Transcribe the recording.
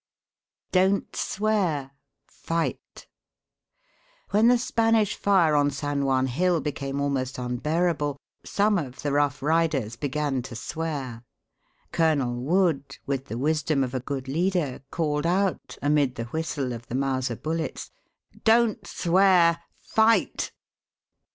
"DON'T SWEAR FIGHT." When the Spanish fire on San Juan Hill became almost unbearable, some of the Rough Riders began to swear. Colonel Wood, with the wisdom of a good leader, called out, amid the whistle of the Mauser bullets: "Don't swear fight!"